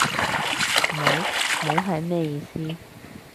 冇？冇係咩意思？